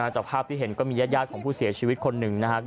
จากภาพที่เห็นก็มีญาติของผู้เสียชีวิตคนหนึ่งนะครับ